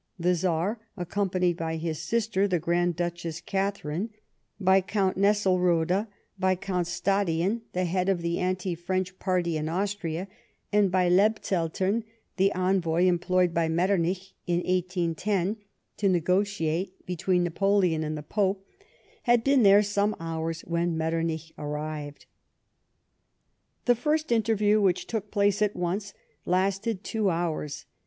The Czar, accompanied by his sister, the Grand Duchess Katharine ; by Count Nesselrode ; by Count Stadiun, the lOG LIFE OF PBINGE METTEBNICR. liead of the anti French party in Austria ; and by Lebzeltern, the envoy employed by Metternich m 1810 to negotiate between Napoleon and the Pope, had been there some hours when Metternich arrived. The first interview, which took place at once, lasted two hours.